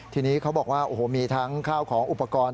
ทีนี้เขาบอกว่าโอ้โหมีทั้งข้าวของอุปกรณ์